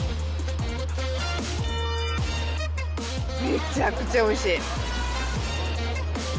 めちゃくちゃおいしい！